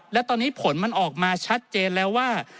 และตอนนี้ผลมันออกมาชัดเจนแล้วว่า